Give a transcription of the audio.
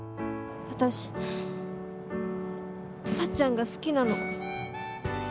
私タッちゃんが好きなの。